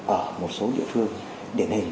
ở một số địa phương điển hình